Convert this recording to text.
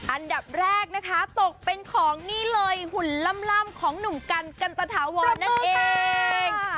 อันดับแรกนะคะตกเป็นของนี่เลยหุ่นล่ำของหนุ่มกันกันตะถาวรนั่นเอง